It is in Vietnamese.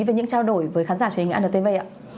với những trao đổi với khán giả truyền hình anntv ạ